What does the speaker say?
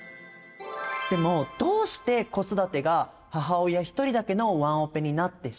でもどうして子育てが母親一人だけのワンオペになってしまいがちなのか？